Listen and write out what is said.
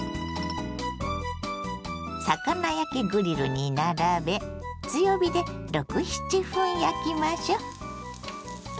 魚焼きグリルに並べ強火で６７分焼きましょ。